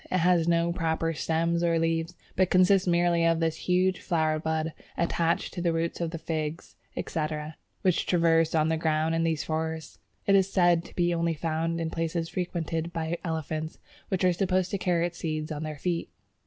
It has no proper stems or leaves, but consists merely of this huge flower bud attached to the roots of Figs, etc., which traverse the ground in these forests. It is said to be only found in places frequented by elephants, which are supposed to carry its seeds on their feet.